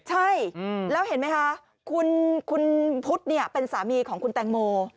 ใช่แล้วเห็นมั้ยฮะคุณพุทธเนี่ยเป็นสามีของคุณแตกโม